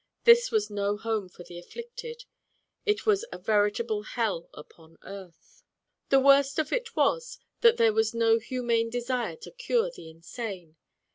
This was no home for the afflicted. It was a veritable hell upon earth. The worst of it was that there was no humane desire to cure the insane.